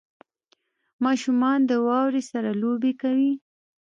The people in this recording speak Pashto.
• ماشومان د واورې سره لوبې کوي.